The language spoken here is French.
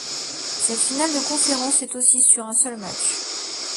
Cette finale de conférence est aussi sur un seul match.